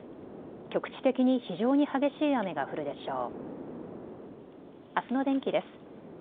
局地的に非常に激しい雨が降るでしょう。